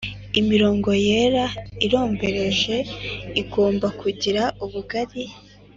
imirongo yera irombereje igomba kugira ubugari